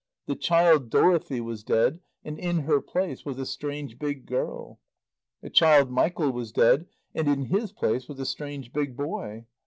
The child Dorothy was dead and in her place was a strange big girl. The child Michael was dead and in his place was a strange big boy.